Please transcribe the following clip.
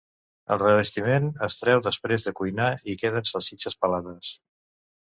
El revestiment es treu després de cuinar i queden salsitxes pelades.